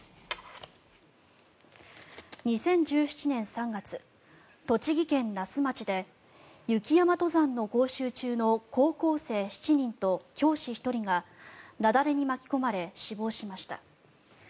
２０１７年３月栃木県那須町で雪山登山の講習中の高校生７人と教師１人が雪崩に巻き込まれ死亡しました。